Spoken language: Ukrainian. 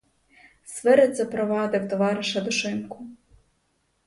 Свирид запровадив товариша до шинку.